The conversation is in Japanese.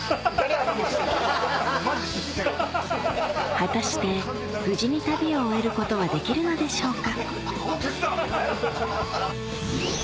果たして無事に旅を終えることはできるでしょうか？